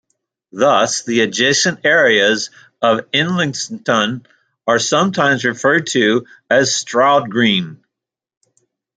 Thus, the adjacent areas of Islington are sometimes referred to as Stroud Green.